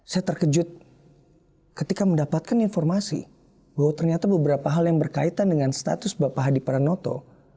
saya terkejut ketika mendapatkan informasi bahwa ternyata beberapa hal yang berkaitan dengan status bapak hadi pranoto